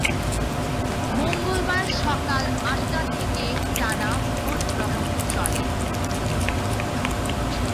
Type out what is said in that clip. মঙ্গলবার সকাল আটটা থেকে টানা ভোট গ্রহণ চলে।